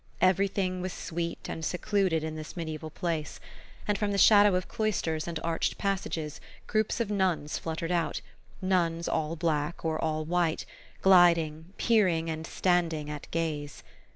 Everything was sweet and secluded in this mediaeval place; and from the shadow of cloisters and arched passages groups of nuns fluttered out, nuns all black or all white, gliding, peering and standing at gaze.